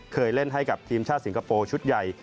เคยเล่นให้กับทีมชาติสิงคโปร์ชุดใหญ่